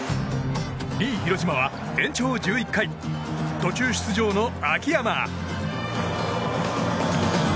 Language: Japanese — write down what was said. ２位、広島は延長１１回途中出場の秋山。